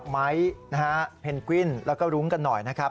ไม้นะฮะเพนกวิ้นแล้วก็รุ้งกันหน่อยนะครับ